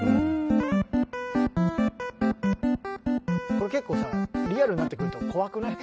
これ結構さリアルになってくると怖くない？